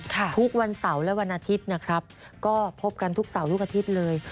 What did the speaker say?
ทุกวันเสาร์และวันอาทิตย์นะครับก็พบกันทุกเสาร์ทุกอาทิตย์เลย